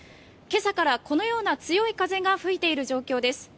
今朝からこのような強い風が吹いている状況です。